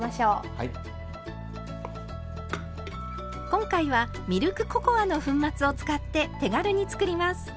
今回はミルクココアの粉末を使って手軽に作ります。